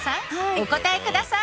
お答えください。